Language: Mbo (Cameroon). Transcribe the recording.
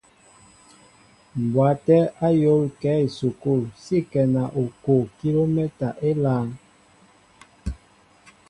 Mbwaté a yól kέ a esukul si ŋkέŋa okoʼo kilomɛta élāān.